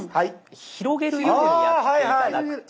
広げるようにやって頂くと。